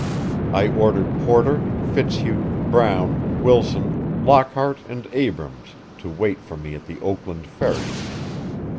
I ordered Porter, Fitzhugh, Brown, Wilson, Lockhart and Abrams to wait for me at the Oakland Ferry.